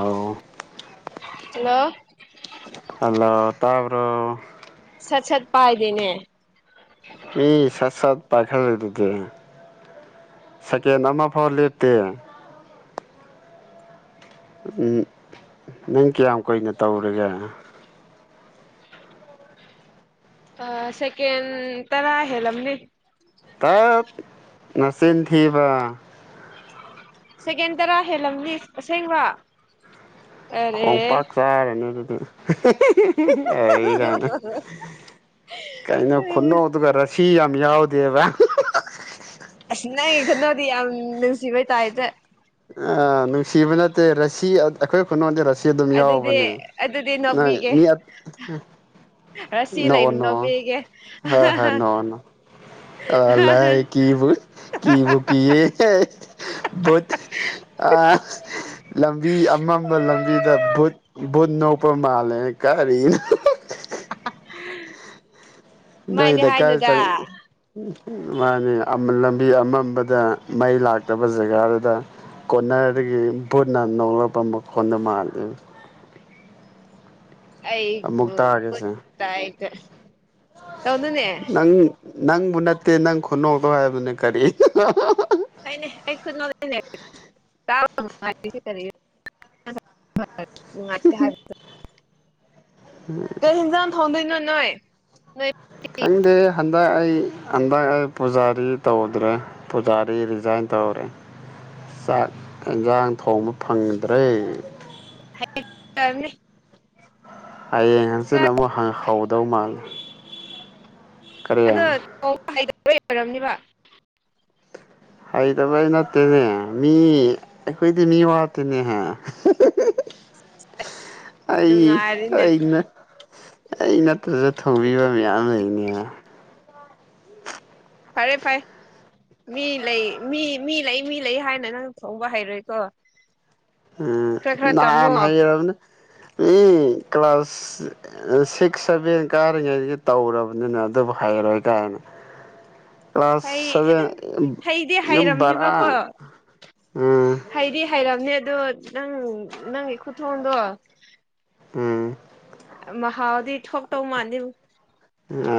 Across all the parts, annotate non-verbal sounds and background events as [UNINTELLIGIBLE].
ꯑꯑꯣ hello hello ꯇ ꯕꯔꯣ꯫ [UNINTELLIGIBLE] ꯁꯠ ꯁꯠ ꯄꯥꯏꯗꯅꯦ ꯃꯤ ꯁꯥꯠ ꯁꯥꯠ ꯄꯥꯏꯈꯠꯂꯗꯨꯗꯤ ꯁꯦꯀꯦꯟ ꯑꯃ ꯐꯥꯎ ꯂꯦꯞꯇꯦ ꯎ ꯅꯪ ꯀꯌꯥꯝ ꯀꯨꯏꯅ ꯇꯧꯔꯒꯦ ꯑ ꯁꯦꯀꯦꯟ ꯇꯔꯥ ꯍꯦꯜꯂꯝꯅꯤ ꯇꯥꯛ ꯅꯆꯤꯟꯊꯕ ꯁꯦꯀꯦꯟ ꯇꯔꯥ ꯍꯦꯜꯂꯝꯅꯤ ꯑꯁꯦꯡꯕ ꯑꯔꯦ ꯈꯣꯡꯄꯥꯛ ꯆꯥꯔꯅꯤ ꯑꯗꯨꯗꯤ ꯍ [UNINTELLIGIBLE] ꯍ ꯀꯥꯏꯅ ꯀꯥꯏꯅ ꯈꯨꯨꯅ ꯍꯗꯨꯒꯔ ꯁꯤ ꯌꯥꯝꯃꯤ ꯌꯥꯎ ꯗꯦꯕ ꯑꯁ ꯅ ꯈꯅꯣꯗꯤ ꯌꯥꯝ ꯅꯨꯡꯁꯤꯕꯣꯏ ꯇꯥꯏꯇꯦ ꯑ ꯅꯨꯡꯁꯤꯕ ꯅꯠꯇꯦ ꯔꯁꯤ ꯑꯩꯈꯣꯏ ꯈꯨꯅꯃꯛꯗꯤꯁꯤ ꯁꯤ ꯑꯗꯨꯝ ꯑꯗꯨꯗꯤ ꯌꯥꯎꯕꯅꯦ ꯑꯗꯨꯗꯤ ꯅꯣꯏ ꯅꯣꯛꯄꯤꯒꯦ ꯃꯤ ꯔꯁꯤ ꯅ ꯂꯩꯅ ꯅꯣꯛꯄꯤꯒꯦ ꯍ ꯍ ꯅ ꯑ ꯂꯕꯨꯕꯨ ꯀ ꯠ ꯂꯝꯕꯤ ꯑꯃꯝꯕ ꯂꯝꯕꯤꯗ ꯕꯨꯠ ꯕꯨꯠ ꯅꯣꯛ ꯄ ꯃꯥꯂꯦꯅꯦ ꯀꯔꯅ [UNINTELLIGIBLE] ꯅ ꯁꯨꯃꯥꯏꯅ ꯂꯩ ꯀꯥꯏ ꯍꯥꯏꯅꯨꯗ ꯆꯪ ꯃꯥꯅꯤ ꯂꯝꯕꯤ ꯑꯃꯝꯕꯗ ꯃꯩ ꯂꯥꯛꯇꯕ ꯖꯒꯥꯗꯨꯗ ꯀꯣꯟꯅꯔꯗꯒꯤ ꯚꯕꯨꯠꯅ ꯅꯣꯂꯛꯄ ꯃꯈꯣꯟꯗ ꯃꯥꯜꯂꯤ ꯑꯩ ꯑꯃꯨꯛ ꯇꯥꯒꯦꯁꯦ ꯇꯥꯏꯇ ꯇꯧꯗꯨꯅꯦ ꯅꯪ ꯅꯪꯕꯨ ꯅꯠꯇꯦ ꯅꯪ ꯈꯨꯅꯣꯛꯗꯧ ꯍꯥꯏꯕꯅꯤ ꯀꯔꯤ [UNINTELLIGIBLE] ꯅꯨꯡꯉꯥꯏꯇꯦ ꯍꯥꯏꯕ ꯀ ꯌꯦꯟꯖꯥꯡ ꯊꯣꯡꯗꯣꯏꯅꯣ ꯅꯣꯏ ꯅꯣꯏ ꯀꯩꯗ ꯍꯥꯏ ꯍꯟꯗꯛ ꯑꯩ ꯍꯟꯗꯛ ꯑꯩ ꯄꯨꯖꯥꯔꯤ ꯇꯧꯗ꯭ꯔꯦ ꯄꯨꯖꯥꯔꯤ ꯔꯤꯖꯥꯏꯟ ꯇꯧꯔꯦ ꯆꯥꯛ ꯌꯦꯟꯁꯥꯡ ꯊꯣꯡꯕ ꯐꯪꯗ꯭ꯔꯦ ꯍꯥꯏ ꯍꯌꯦꯡ ꯍꯪꯆꯤꯠ ꯑꯃꯨꯛ ꯍꯍꯧꯗꯧ ꯃꯥꯜꯂꯦ ꯀꯔꯤ ꯑꯗ ꯂꯣꯏ ꯑꯣꯏꯔꯕꯝꯅꯤꯕ ꯑꯩꯗꯕ ꯅꯠꯇꯦꯅꯦ ꯃꯤ ꯑꯩꯈꯣꯏꯗꯤ ꯃꯤ ꯋꯥꯇꯅꯦꯍꯦ [UNINTELLIGIBLE] ꯑꯩ ꯅꯨꯡꯉꯥꯏꯔꯤꯅꯦ ꯑꯩ ꯅꯠꯇ꯭ꯔꯗ ꯊꯣꯡꯕꯤꯕ ꯃꯌꯥꯝ ꯂꯩꯅꯦ ꯐꯔꯦ ꯐꯔꯦ ꯃꯤ ꯂꯩ ꯃꯤ ꯃꯤ ꯂꯩ ꯃꯤ ꯂꯩ ꯍꯥꯏꯅ ꯅꯪ ꯐꯣꯡꯕ ꯍꯩꯔꯣꯏꯀꯣ ꯑ ꯈꯔ ꯈꯔ ꯇꯝꯃꯣ ꯅꯍꯔ ꯑꯦ ꯀ꯭ꯂꯥꯁ ꯁꯤꯛꯁ ꯁꯚꯦꯟ ꯀꯥꯔꯤꯉꯩꯗꯒꯤ ꯇꯧꯔꯕꯅꯤꯅ ꯑꯗꯨꯕꯨ ꯍꯩꯔꯣꯏ ꯀꯥꯏꯅ ꯀ꯭ꯂꯥꯁ ꯍꯩ ꯁꯚꯦꯟ ꯍꯩꯗꯤ ꯌꯨꯝ ꯍꯩꯔꯝꯅꯦꯕꯀꯣ ꯕꯔꯥ ꯎꯝ ꯍꯩꯗꯤ ꯍꯩꯔꯝꯅꯦ ꯑꯗꯨꯗꯣ ꯅꯪ ꯅꯪ ꯈꯨꯊꯗꯣ ꯎꯝ ꯃꯍꯥꯗꯤ ꯄꯤ ꯍ ꯇꯧ ꯃꯥꯟꯅꯤ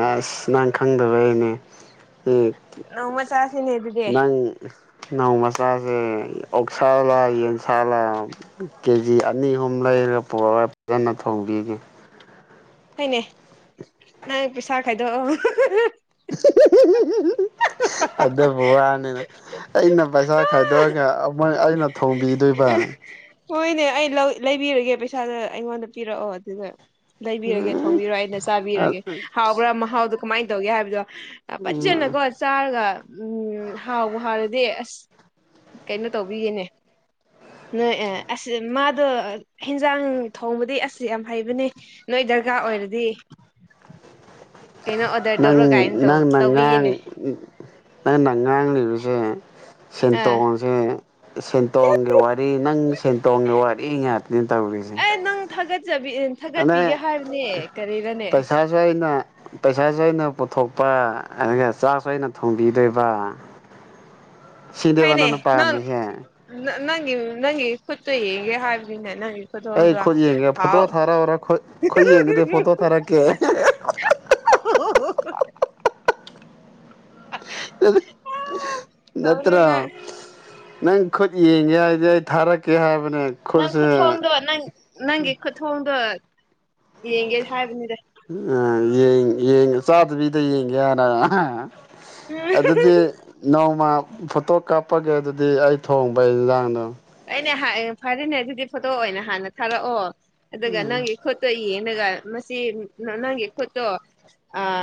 ꯑꯁ ꯅꯪ ꯈꯪꯗꯕ ꯑꯩꯅꯦ ꯎꯝ ꯅꯣꯡꯃ ꯆꯥꯁꯤꯅꯦ ꯑꯗꯨꯗꯤ ꯅꯪ ꯅꯧ ꯃꯆꯥꯁꯦ ꯑꯣꯛ ꯁꯥꯥꯜꯂ ꯌꯦꯟꯁꯥꯂ ꯀꯦꯖꯤ ꯑꯅꯤ ꯑꯍꯨꯝ ꯂꯩꯔꯒ ꯄꯨꯔꯒ ꯐꯖꯅ ꯊꯣꯡꯕꯤꯒꯦ ꯍꯩꯅꯦ ꯅꯪ ꯄꯩꯁꯥ ꯈꯥꯏꯗꯣꯛꯑꯣ [UNINTELLIGIBLE] ꯑꯗꯨꯕꯨ ꯋꯥꯅꯤꯅ ꯑꯩꯅ ꯄꯩꯁꯥ ꯈꯥꯏꯗꯣꯛꯑꯒꯣꯏ ꯑꯩꯅ ꯊꯣꯡꯕꯤꯗꯣꯏꯕ ꯍꯣꯏꯅꯦ ꯑꯩ ꯂꯧ ꯂꯩꯕꯤꯔꯒꯦ ꯄꯩꯁꯥꯗ ꯑꯩꯉꯣꯟꯗ ꯄꯤꯔꯛꯑꯣ ꯑꯗꯨꯗ ꯂꯩꯕꯤꯔꯒꯦ ꯊꯣꯡꯕꯤꯔꯣ ꯑꯩꯅ ꯆꯥꯕꯤꯔꯒꯦ ꯍꯥꯎꯕ꯭ꯔꯥ ꯃꯍꯥꯎꯗꯣ ꯀꯃꯥꯏꯅ ꯇꯧꯒꯦ ꯍꯥꯏꯕꯗꯣ ꯄꯖꯅ ꯀꯣ ꯆꯥꯔꯒ ꯎꯝ ꯍꯥꯎꯕ ꯍꯥꯎꯔꯗꯤ ꯑꯁ ꯀꯩꯅꯣ ꯇꯧꯕꯤꯌꯦꯅꯦ ꯅꯣꯏ ꯑꯦ ꯑꯁꯤꯁ ꯃꯥꯗꯣ ꯍꯦꯟꯖꯥꯡ ꯊꯣꯡꯕꯗꯤ ꯑꯁꯤꯁ ꯌꯥꯝ ꯍꯩꯕꯅꯦ ꯅꯣꯏ ꯗꯔꯀꯥꯔ ꯑꯣꯏꯔꯗꯤ ꯀꯩꯅꯣ ꯑꯣꯗꯔ ꯅꯪ ꯇꯧꯔꯣ ꯀꯥꯏꯅ ꯇꯧ ꯅꯪꯅ ꯉꯥꯡ ꯇꯧꯕꯤꯒꯦꯅꯦ ꯅꯪꯅꯉꯥꯡ ꯂꯩꯕꯁꯦ ꯑꯥ ꯁꯦꯟꯇꯣꯡꯁꯦ ꯁꯦꯟꯇꯣꯡꯒꯤ ꯋꯥꯔꯤ ꯅꯪ ꯁꯦꯟꯇꯣꯡꯒꯤ ꯋꯥꯔꯤ ꯉꯥꯛꯇꯅꯦ ꯇꯧꯔꯤꯁꯦ ꯑꯦ ꯅꯪ ꯊꯥꯒꯠꯆꯕꯤ ꯊꯥꯒꯠꯄꯤꯒꯦ ꯑꯗꯩ ꯍꯥꯏꯕꯅꯦ ꯀꯔꯤꯗꯅꯦ ꯄꯩꯁꯥꯁꯨ ꯑꯩꯅ ꯄꯩꯁꯥꯁꯨ ꯑꯩꯅ ꯄꯨꯊꯣꯛꯄ ꯑꯗꯨꯒ ꯆꯥꯖꯁꯨ ꯑꯩꯅ ꯊꯣꯡꯕꯤꯗꯣꯏꯕ ꯁꯤꯗꯦ ꯍꯣꯏꯅꯦ ꯋꯥꯅꯅ ꯅꯪ ꯄꯥꯝꯃꯤ ꯍꯦ ꯅꯪ ꯅꯪꯒꯤ ꯀꯠꯇꯣ ꯍꯦꯒ ꯍꯥꯥꯕꯤꯅ ꯅꯪ ꯑꯩ ꯈꯨꯠ ꯌꯦꯡꯒꯦ ꯐꯣꯇꯣ ꯊꯥꯔꯎꯔ ꯈꯨꯠ ꯌꯦꯡꯈꯤꯗꯤ ꯐꯣꯇꯣ ꯊꯥꯔꯛꯀꯦ ꯇꯧꯅꯨ ꯅꯠꯇ꯭ꯔ ꯅꯪ ꯅꯪ ꯈꯨꯠ ꯌꯦꯡꯒꯦ ꯍꯥꯏꯗꯤꯦ ꯑꯩ ꯊꯥꯔꯛꯀꯦ ꯍꯥꯏꯕ ꯅꯪ ꯈꯨꯊ ꯍꯣꯡꯗꯣ ꯅꯪ ꯅꯪꯒꯤ ꯈꯨꯠꯇ ꯍꯣꯡꯗꯣ ꯌꯦꯦ ꯍꯥꯏꯕꯅꯤꯗ ꯎ ꯌꯦꯡ ꯌꯦꯡ ꯆꯥꯗꯕꯤꯗ ꯌꯦꯡꯒꯦ ꯍꯅ ꯎꯝ ꯑꯗꯨꯗꯤ ꯅꯣꯡꯃ ꯐꯣꯇꯣ ꯀꯥꯞꯄꯒꯦ ꯑꯗꯨꯗꯤ ꯑꯩ ꯊꯣꯡꯕꯩ ꯏꯟꯖꯥꯡꯗꯣ ꯑꯅꯦ ꯐꯔꯅꯦ ꯑꯗꯨꯗꯤ ꯐꯣꯇꯣ ꯑꯣꯏꯅ ꯍꯥꯟꯅ ꯊꯥꯔꯛꯑꯣ ꯑꯗꯨꯗꯒ ꯅꯪꯦ ꯀꯠꯇꯌꯦꯦ ꯑꯩꯅꯒ ꯃꯁꯤ ꯅꯪꯒꯤ ꯈꯨꯣꯠꯇꯣ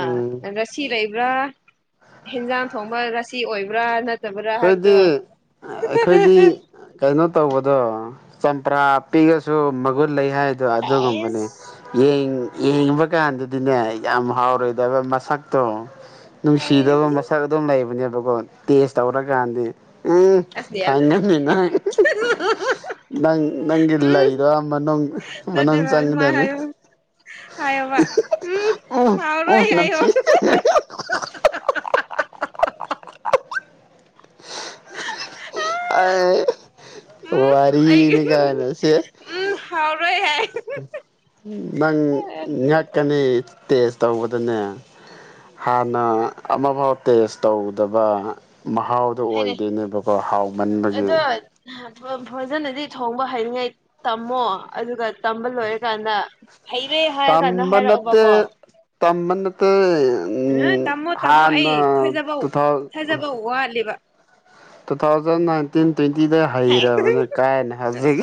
ꯎꯝ ꯅ꯭ꯔꯁꯤ ꯂꯩ ꯕ꯭ꯔ ꯍꯦꯟꯖꯥꯡ ꯊꯣꯡꯕ ꯉꯁꯤ ꯑꯣꯏꯕ꯭ꯔꯥ ꯆꯕ꯭ꯔ ꯑꯩꯈꯣꯏꯗꯤ ꯍꯥꯏꯕꯗ ꯑꯩꯈꯣꯏꯗꯤ ꯀꯩꯅꯣ ꯇꯧꯕꯗꯣ ꯆꯝꯄ꯭ꯔꯥ ꯄꯤꯒꯁꯨ ꯃꯒꯨꯟ ꯂꯩ ꯍꯥꯏꯗꯣ ꯑꯗꯨꯒꯨꯝꯕꯅꯦ ꯌꯦꯟ ꯌꯦꯡꯕ ꯀꯥꯟꯗꯗꯤꯅꯦ ꯌꯥꯝ ꯍꯥꯎꯔꯣꯏꯗꯕ ꯃꯁꯛꯇꯣ ꯅꯨꯡꯁꯤꯗꯕ ꯃꯁꯛ ꯑꯗꯨꯝ ꯂꯩꯕꯅꯦꯕ ꯇꯦꯁ ꯇꯧꯔꯀꯥꯟꯗꯤ ꯎꯝ ꯑꯁꯅꯦ ꯈꯪꯉꯅꯤ ꯅꯪ ꯅꯪ ꯅꯪꯒꯤ ꯎꯝ ꯂꯩꯗꯣ ꯃꯅꯨꯡ ꯅꯠꯇꯦ ꯃꯅꯨꯡ ꯃꯥ ꯃꯥ ꯆꯪꯒꯗꯅꯤ ꯍꯥꯏꯌꯣ ꯍꯥꯏꯌꯣ ꯃꯥꯚ ꯎꯝ ꯎꯝ ꯍꯥꯎꯔꯣꯏ ꯍꯥꯏꯌꯣ ꯅꯝꯊꯤ ꯑ ꯎꯝ ꯑꯩ ꯋꯥꯔꯤꯅꯦ ꯀꯥꯏꯅꯁꯦ ꯎꯝ ꯍꯥꯎꯔꯣꯏ ꯍꯥꯏ ꯅ ꯉꯍꯥꯛꯀꯅꯤ ꯇꯦꯁ ꯇꯧꯕꯗꯅꯦ ꯍꯥꯟꯅ ꯑꯃꯐꯥꯎ ꯇꯦꯁ ꯇꯧꯗꯕ ꯃꯍꯥꯎꯗꯣ ꯍꯥꯏꯅꯦ ꯑꯣꯏꯗꯣꯏꯅꯦꯕꯀꯣ ꯍꯥꯎꯃꯟꯕꯒꯤ ꯑꯗꯣ ꯐꯖꯅꯗꯤ ꯊꯣꯡꯕ ꯍꯩꯅꯤꯡꯉꯥꯏ ꯇꯝꯃꯣ ꯑꯗꯨꯒ ꯇꯝꯕ ꯂꯣꯏꯔꯀꯥꯟꯗ ꯍꯩꯔꯦ ꯍꯥꯏꯔ ꯀꯥꯟꯗ ꯍꯥꯏꯔꯛꯑꯣꯕꯀꯣ ꯇꯃꯠꯇ ꯑ ꯇꯝꯃꯣ ꯇꯥꯝꯃꯣ ꯑꯩ ꯊꯖꯕꯧ ꯇꯨ ꯊꯥꯎ ꯊꯥꯖꯕꯧ ꯋꯥꯠꯂꯦꯕ ꯇꯨ ꯊꯥꯎꯖꯟ ꯏꯟꯇꯤꯟ ꯇ꯭ꯋꯦꯟꯇꯤꯗ ꯍꯩꯔꯕꯅꯤ ꯀꯥꯏꯅ ꯍꯧꯖꯤꯛ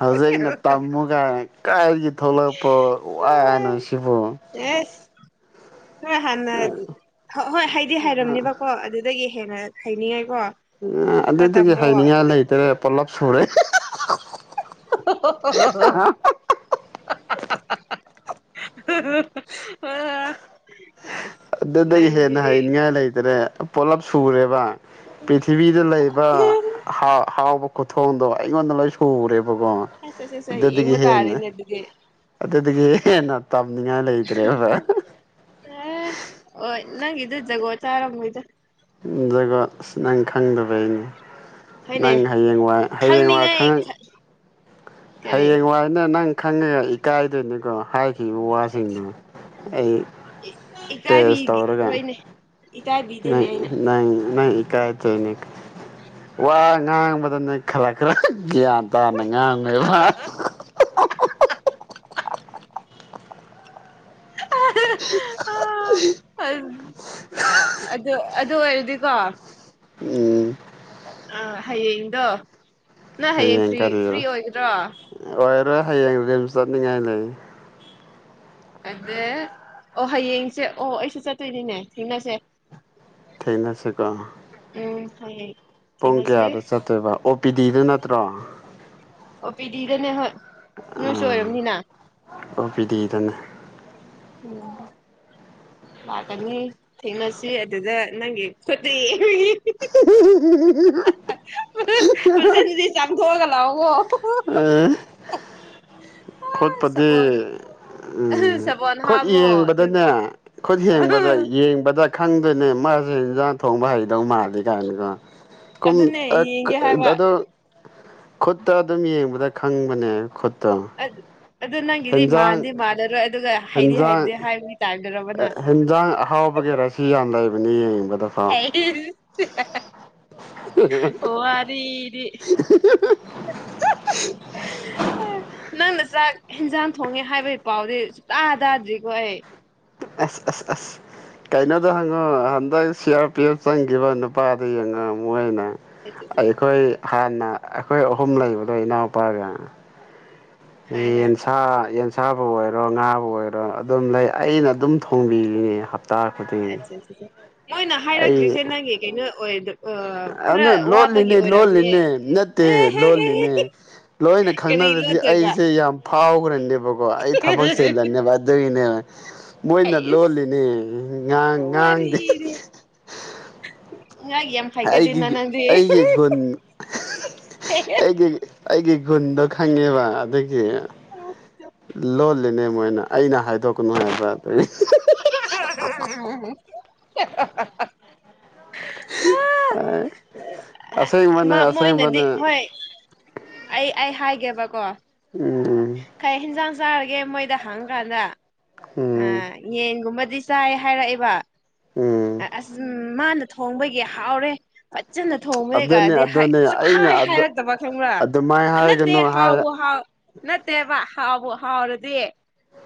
ꯍꯧꯖꯤꯛꯅ ꯇꯝꯃꯨ ꯀꯥꯏꯅ ꯀꯥꯏ ꯊꯂꯛꯄ ꯑꯅ ꯁꯤꯕꯨ ꯍꯣꯏ ꯍꯥꯟꯅ ꯍꯣꯏ ꯍꯥꯏꯗꯤ ꯍꯥꯏꯔꯝꯅꯦꯕꯀꯣ ꯑꯗꯨꯗꯒꯤ ꯍꯅ ꯊꯥꯏꯅꯤ ꯎ ꯑꯗꯨꯗꯒꯤ ꯍꯥꯏꯅꯤꯡꯉꯥꯏ ꯂꯩꯇ꯭ꯔꯦ ꯄꯨꯂꯞ ꯁꯨꯔꯦ ꯑꯣ ꯑ ꯑꯗꯨꯗꯒꯤ ꯍꯦꯟꯅ ꯍꯩꯅꯤꯡꯉꯥꯏ ꯂꯩꯇ꯭ꯔꯦ ꯄꯨꯂꯞ ꯁꯨꯔꯦꯕ ꯄ꯭ꯔꯤꯊꯤꯕꯤꯗ ꯂꯩꯕ ꯍꯥꯎꯕ ꯀꯊꯣ ꯍꯣ ꯑꯩꯩꯅꯣꯟ ꯁꯨꯔꯣꯔꯦ ꯍꯁꯁ ꯌꯦ ꯄ ꯇ ꯑꯔꯅꯤ ꯑꯗꯨꯗꯤ ꯑꯗꯨꯗꯒꯤ ꯅ ꯇꯕꯅꯤꯌꯥ ꯂꯩꯇꯔꯦ ꯐ ꯑꯣ ꯅꯪ ꯏꯗ ꯖꯒꯣꯆꯥꯔꯣꯏꯗ ꯖꯒꯣꯏ ꯑꯁ ꯅꯪ ꯈꯪꯗꯕ ꯑꯩꯅꯦ ꯍꯣꯏꯅꯦ ꯅꯪ ꯍꯌꯦꯡ ꯋꯥꯏ ꯍꯌꯦꯡ ꯋꯥꯏ ꯈꯪꯅꯤꯡꯉꯥꯏ ꯈꯪꯉ ꯈ- ꯍꯌꯦ ꯀꯔꯤ ꯌꯦꯡ ꯋꯥ ꯏꯅꯦ ꯅꯪ ꯈꯪꯉꯦ ꯏꯀꯥꯏꯗꯣꯏꯅꯤꯀꯣ ꯍꯥꯏꯈꯤꯕ ꯋꯥꯁꯤꯡꯗꯨꯣ ꯑꯩ ꯏ- ꯇꯦꯖ ꯇꯧꯔꯒ ꯏꯀꯥꯏꯕꯤꯔꯣꯏꯅꯦ ꯏꯀꯥꯏꯕꯤꯗꯦꯅꯦ ꯑꯩꯅ ꯅ ꯀꯥꯏ ꯇꯣꯏꯅꯦ ꯋꯥ ꯉꯥꯡꯕꯗ ꯅꯣꯏ ꯈꯜꯂꯛ ꯈꯔ ꯒ꯭ꯌꯥꯟ ꯇꯥꯅ ꯉꯥꯡꯅꯣꯏꯕꯥꯛ ꯑꯗꯨ ꯑꯗꯨ ꯑꯣꯏꯔꯗꯤꯀꯣ [UNINTELLIGIBLE] ꯎꯝ ꯑ ꯍꯥꯏꯌꯦꯡ ꯗꯣ ꯅꯪ ꯍꯌꯦꯡ ꯀ꯭ꯔꯤ ꯀ꯭ꯔꯤ ꯑꯣꯏꯒꯗ꯭ꯔꯣ ꯍꯦ ꯍꯌꯦꯡ ꯔꯤꯝꯁ ꯆꯠꯅꯤꯡꯉꯥꯏ ꯂꯩ ꯑꯗ ꯑꯣ ꯍꯌꯦꯡꯁꯦ ꯑꯣ ꯑꯩꯁꯨ ꯆꯠꯇꯣꯏꯅꯤꯅꯦ ꯊꯦꯡꯅꯁꯦ ꯊꯦꯡꯅꯁꯦꯀꯣ ꯑꯣ ꯐ [INAUDIBLE] ꯊꯦꯡꯅꯁꯤ ꯆꯠꯇꯣꯏꯕ ꯑꯣ ꯄꯤ ꯗꯤꯗ ꯅꯠꯇ꯭ꯔꯣ ꯑꯣ ꯄꯤꯗꯤꯗꯅꯦ ꯍꯣꯏ ꯅꯣꯏꯁꯨ ꯑꯣꯏꯔꯝꯅꯤꯅ ꯑꯣꯄꯤꯘꯤ ꯘꯅꯦ ꯎꯝ ꯂꯥꯛꯀꯅꯤ ꯊꯦꯡꯅꯁꯤ ꯑꯗꯨꯗ ꯅꯪꯒꯤ ꯈꯨꯗꯤ ꯄꯁꯗꯤ ꯆꯝꯊꯣꯒ ꯂꯑꯣꯣ ꯈꯣꯠꯄꯗꯤ ꯁꯥꯕꯣꯟ ꯎꯝ ꯁꯥꯕꯣꯟ ꯈꯨꯠ ꯍꯥꯝꯃꯣ ꯑꯗꯨꯒ ꯌꯦꯡꯕꯗꯅꯦ ꯈꯨꯠ ꯌꯦꯡꯕꯗ ꯌꯦꯡꯕꯗ ꯈꯪꯗꯣꯏꯅꯦ ꯗ ꯊꯣꯡꯕ ꯍꯩꯗꯧ ꯃꯥꯜꯂꯤꯦ ꯀꯥꯏꯅꯀꯣ ꯨꯝ ꯑꯗꯨꯅꯦ ꯌꯦꯡꯒꯦ ꯍꯥꯏꯕ ꯑꯗꯣ ꯈꯨꯠꯇ ꯑꯗꯨꯝ ꯌꯦꯡꯕꯗ ꯈꯪꯕꯅꯦ ꯈꯨ ꯑꯗꯨ ꯑꯗꯨ ꯅꯪꯒꯤꯗꯤ ꯃꯥꯟꯗꯤ ꯃꯥꯜꯂꯔꯣꯏ ꯑꯗꯨꯒ ꯍꯥꯏꯗꯤ ꯍꯥꯏꯕꯗꯤ ꯍꯥꯏꯕ ꯇꯥꯏ ꯍꯤꯟꯖ ꯍꯥꯥꯎ ꯒꯦꯔ ꯁꯤ ꯑꯗ ꯑꯅꯤ ꯑꯣ ꯑꯔꯤ ꯗꯤ ꯅꯪꯅ ꯆꯥꯛ ꯏꯟꯖꯥꯡ ꯊꯣꯡꯉꯦ ꯍꯥꯏꯕꯒꯤ ꯄꯥꯎꯗꯤ ꯁꯇꯥꯥ ꯇꯥꯗ꯭ꯔꯤꯀꯣ ꯑꯩ ꯑꯁ ꯑꯁ ꯑꯁ ꯀꯩꯅꯣꯗꯣ ꯍꯪꯉꯣ ꯍꯟꯗꯛ ꯁꯤ ꯑꯥꯔ ꯄꯤ ꯑꯐ ꯆꯪꯈꯤꯕ ꯅꯨꯄꯥꯗ ꯌꯦꯡꯉꯣ ꯃꯣꯏꯅ ꯑꯩꯈꯣꯏ ꯍꯥꯟꯅ ꯑꯩꯈꯣꯏ ꯑꯍꯨꯝ ꯂꯩꯕꯗꯣ ꯏꯅꯥꯎꯄꯥꯒ ꯍꯣꯏ ꯍꯣꯏ ꯑꯦꯟꯁꯥ ꯌꯦꯟ ꯏꯁꯥꯕꯨ ꯑꯣꯏꯔꯣ ꯉꯥꯕꯨ ꯑꯣꯏꯔꯣ ꯑꯗꯨꯝ ꯂꯩ ꯑꯩꯅ ꯑꯗꯨꯝ ꯊꯣꯡꯕꯤꯔꯤꯅꯤ ꯇꯈꯗꯤ ꯅꯣꯏꯅ ꯍꯥꯏꯔꯛꯇ꯭ꯔꯤꯁꯦ ꯅꯪꯒꯤ ꯀꯩꯅꯣ ꯑꯣꯏꯗ ꯈꯔ ꯑꯗꯨꯅ ꯋꯥꯠꯄꯒꯤ ꯂꯣꯜꯂꯤꯅꯦ ꯑꯣꯏꯔꯝꯅꯤꯌꯦ ꯂꯣꯜꯂꯤꯅꯦ ꯅꯠꯇꯦ ꯂꯣꯜꯂꯤꯅꯦ ꯂꯣꯏꯅ ꯀꯔꯤ ꯈꯪꯅꯔꯗꯤ ꯂꯣꯠꯇꯣꯏꯕ ꯑꯩꯁꯦ ꯌꯥꯝ ꯐꯥꯎꯈ꯭ꯔꯅꯦꯕꯀꯣ ꯑꯩ ꯊꯕꯛ ꯆꯤꯜꯂꯅꯦꯕ ꯑꯗꯨꯒꯤꯅꯦ ꯃꯣꯏꯅ ꯍꯩꯁ ꯂꯣꯜꯂꯤꯅꯦ ꯉꯥꯡ ꯉꯥꯡꯗꯦ ꯏ ꯌꯦ ꯌꯥꯝ ꯐꯒ ꯂꯩ ꯅ ꯑꯩꯒꯤ ꯅꯪꯔꯤ ꯑꯩꯒꯤ ꯒꯨꯟ ꯑꯩꯒꯤ ꯑꯩꯒꯤ ꯒꯨꯟꯗꯣ ꯈꯪꯉꯦꯕ ꯑꯗꯒꯤ ꯂꯣꯜꯂꯤꯅꯦ ꯃꯣꯏꯅ ꯑꯩꯅ ꯍꯥꯏꯗꯣꯛꯀꯅꯨ ꯍꯥꯏꯕ ꯑꯗꯒꯤ [INAUDIBLE] ꯑꯦ ꯑꯁꯦꯡ ꯃꯅꯦ ꯃꯥ ꯑꯁꯦꯡ ꯃꯣꯏꯅꯗꯤ ꯃꯅꯦ ꯀꯦꯕ ꯀꯣ ꯎꯝ ꯖꯥꯔꯒꯦ ꯃꯣꯏꯗ ꯍꯥꯡꯒꯥꯥꯟꯗ ꯑ ꯎꯝ ꯌꯦꯟꯒꯨꯝꯕ ꯑꯗꯨꯗꯤ ꯆꯥꯏ ꯍꯥꯏꯔꯛꯑꯦꯕ ꯎꯝ ꯑꯁ ꯃꯥꯅ ꯊꯣꯡꯕꯒꯤ ꯍꯥꯎꯔꯦ ꯏꯆꯟꯅ ꯑꯗꯨꯅꯦ ꯊꯣꯡꯕꯅꯦꯒꯗꯤ ꯑꯗꯨꯅꯦ ꯑꯩꯅ ꯆꯞꯈꯥꯏ ꯑꯗꯨ ꯍꯥꯏꯔꯛꯇꯕ ꯈꯪꯕ꯭ꯔꯥ ꯑꯗꯨꯃꯥꯏꯅ ꯅꯠꯇꯦ ꯍꯥꯏꯒꯅꯨ ꯍꯥꯏ ꯍꯥꯎꯋ ꯍꯥꯎ ꯅꯠꯇꯦꯕ ꯍꯥꯎꯕ ꯍꯥꯎꯔꯗꯤ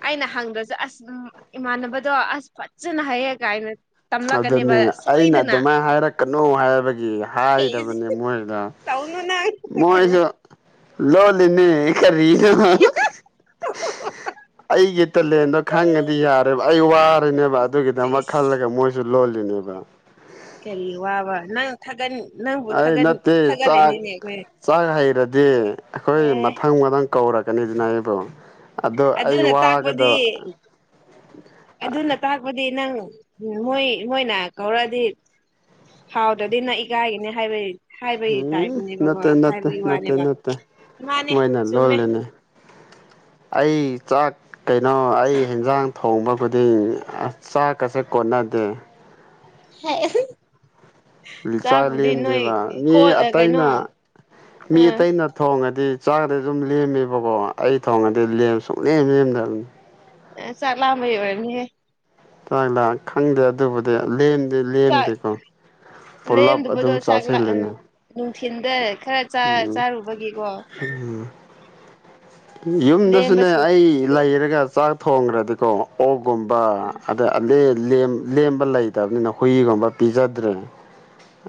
ꯑꯩꯅ ꯍꯪꯗ꯭ꯔꯁꯨ ꯑꯁ ꯏꯃꯥꯟꯅꯕꯗꯣ ꯑꯁ ꯐꯖꯅ ꯍꯥꯏꯩꯌꯦ ꯀꯥꯏꯅ ꯇꯝꯂꯛꯀꯅꯦꯕ ꯑꯗꯨꯅꯤ ꯑꯩꯅ ꯁꯣꯏꯗꯅ ꯑꯗꯨꯃꯥꯏꯅ ꯍꯥꯏꯔꯛꯀꯅꯨ ꯍꯥꯏꯕꯒꯤ ꯍꯦꯁ ꯍꯥꯏꯗꯕꯅꯤ ꯃꯣꯏꯗ ꯇꯧꯅꯨ ꯅꯪ ꯃꯣꯏꯁꯨ ꯂꯣꯜꯂꯤꯅꯤ ꯈꯔꯤꯅ ꯑꯩꯒꯤ ꯇꯂꯦꯟꯗꯣ ꯈꯪꯉꯗꯤ ꯌꯥꯔꯦꯕ ꯑꯩ ꯋꯥꯔꯅꯦꯕ ꯑꯗꯨꯒꯤꯗꯃꯛ ꯏꯁ ꯈꯜꯂꯒ ꯃꯣꯏꯁꯨ ꯂꯣ ꯂꯤꯅꯦꯕ ꯀꯔꯤ ꯋꯥ ꯋꯥ ꯅ ꯊꯒꯟ ꯑꯩ ꯅꯠꯇꯦ ꯆꯥꯛ ꯆꯥꯛ ꯍꯩꯔꯗꯤ ꯑꯩꯈꯣꯏ ꯑꯦ ꯃꯊꯪ ꯃꯊꯪ ꯀꯧꯔꯛꯀꯦ ꯀꯩꯅꯗꯅꯔꯤꯕ ꯑꯗꯨꯅ ꯇꯥꯛꯄꯗꯤ ꯑꯗꯨꯅ ꯇꯥꯛꯄꯗꯤ ꯅꯪ ꯎꯝ ꯃꯣꯏ ꯃꯣꯏꯅ ꯀꯧꯔꯛꯑꯗꯤ ꯍꯥꯎꯗ꯭ꯔꯗꯤ ꯅ ꯏꯀꯥꯏꯒꯅꯤ ꯍꯥꯏꯕꯩ ꯍꯥꯏꯕꯒꯤ ꯎꯝ ꯇꯥꯏꯞꯅꯦꯕꯀꯣ ꯅꯠꯇꯦ ꯅꯠꯇꯦ ꯍꯥꯏꯕꯒꯤ ꯅꯠꯇꯦ ꯋꯥꯅꯦꯕ ꯅꯠꯇꯦ ꯃꯥꯅꯦ ꯃꯣꯏꯅ ꯆꯨꯝꯃꯦ ꯂꯣꯜꯜꯂꯤꯅꯦ ꯑꯩ ꯆꯥꯛ ꯀꯩꯅꯣ ꯑꯩ ꯍꯟꯖꯥꯡ ꯊꯣꯡꯕ ꯈꯨꯗꯤꯡ ꯑ ꯆꯥꯛꯀꯁꯦ ꯀꯣꯟꯅꯗꯦ ꯍ ꯆꯥꯛ ꯂꯦꯝꯗꯦꯕ ꯃꯤ ꯀꯩꯅꯣ ꯑꯇꯩꯅ ꯃꯤ ꯑꯥ ꯑꯇꯩꯅ ꯊꯣꯡꯉꯗꯤ ꯆꯥꯒꯗꯤ ꯑꯗꯨꯨꯝ ꯂꯦꯝꯃꯦꯕꯀꯣ ꯑꯩ ꯊꯣꯡꯒꯗꯤ ꯂꯦꯝ ꯁꯨꯡ ꯂꯦꯝ ꯂꯦꯝꯗꯕꯅꯤ ꯆꯂꯝꯍꯤ ꯑꯣꯏꯅꯤꯌꯦ ꯆꯥꯛꯂ ꯈꯪꯗꯦ ꯑꯗꯨꯕꯨꯗꯤ ꯂꯦꯟ ꯆꯥꯛ ꯂꯩꯔꯦꯝꯗꯕꯗꯣ ꯑꯗꯨꯝ ꯆꯥꯛ ꯆꯥꯁꯤꯜꯂꯤꯅꯦ ꯅꯨꯡꯊꯤꯜꯗ ꯈꯔ ꯆꯥꯔꯨꯕꯒꯤꯀꯣ ꯌꯨꯝꯗꯁꯨꯅꯦ ꯂꯦꯝꯕꯁꯤꯡꯅ ꯑꯩ ꯂꯩꯔꯒ ꯆꯥꯛ ꯊꯣꯡꯈ꯭ꯔꯗꯤꯀꯣ ꯑꯣ ꯀꯣꯝꯕ ꯑꯗꯦ ꯂꯦꯝꯕ ꯂꯩꯇꯕꯅꯤꯅ ꯍꯨꯏꯒꯨꯝꯕ ꯄꯤꯖꯗ꯭ꯔꯦ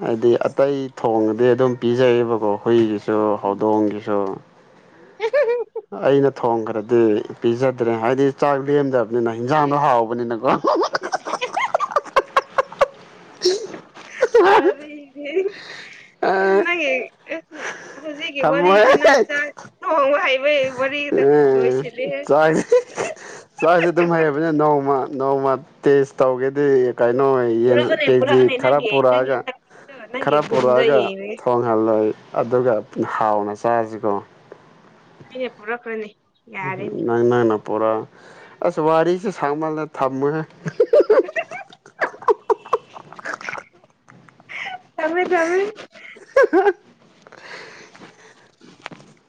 ꯍꯥꯏꯗꯤ ꯑꯇꯩ ꯊꯣꯡꯗꯤ ꯑꯗꯨꯝ ꯄꯤꯖꯩꯌꯦꯕꯀꯣ ꯍꯨꯏꯒꯤꯁꯨ ꯍꯧꯗꯣꯡꯒꯤꯁꯨ [INAUDIBLE] ꯑꯩꯅ ꯊꯣꯡꯈ꯭ꯔꯗꯤ ꯄꯤꯖꯗ꯭ꯔꯦ ꯍꯥꯏꯕꯗꯤ ꯆꯥꯛ ꯂꯦꯝꯗꯕ ꯑꯗꯨꯅ ꯍꯤꯟꯖꯥꯡꯗꯣ ꯍꯥꯎꯕꯅꯤꯅꯀꯣ [INAUDIBLE] ꯑꯣꯔ ꯅꯦ ꯑꯐ ꯍꯧꯖꯤꯛꯀꯤ ꯊꯝꯃꯣꯏꯍꯦ ꯋꯥꯔꯤꯁꯦ ꯅꯪ ꯆꯥꯛ ꯊꯣꯡ ꯍꯥꯏ ꯎꯝ ꯆꯥꯛꯁꯦ ꯆꯥꯛꯁꯦ ꯑꯗꯨꯝ ꯍꯩꯕꯅꯤꯅ ꯅꯣꯡ ꯅꯣꯡꯃ ꯅꯣꯡꯃ ꯇꯦꯁ ꯇꯧꯒꯦꯗꯤ ꯀꯩꯅꯣꯟ ꯄꯨꯔꯛꯑꯅꯦ ꯀꯦꯖꯤ ꯄꯨꯔꯛꯑꯅꯦ ꯈꯔ ꯅꯪꯒꯤ ꯅꯪꯒꯤ ꯄꯨꯔꯛꯑꯒ ꯅꯪꯒꯤ ꯈꯔ ꯒꯨꯟꯗꯣ ꯄꯨꯔꯛꯑꯒ ꯌꯦꯡꯉꯒꯦ ꯊꯣꯡꯍꯜꯂꯣꯏ ꯑꯗꯨꯒ ꯍꯥꯎꯅ ꯆꯥꯁꯤꯀꯣ ꯑꯅꯦ ꯄꯨꯔꯛꯅꯤ ꯅ ꯅ ꯄꯨꯔꯥ ꯑꯁ ꯋꯥꯔꯤꯁꯦ ꯁꯥꯡꯃꯜꯂꯦ ꯊꯝꯃꯃꯦ [INAUDIBLE] ꯇꯃꯦ ꯇꯃꯦ